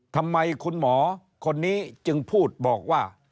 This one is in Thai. ทำไมคุณหมอคนนี้จึงพูดบอกว่า